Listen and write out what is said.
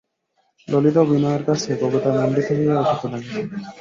ললিতাও বিনয়ের কাছে কবিতায় মণ্ডিত হইয়া উঠিতে লাগিল।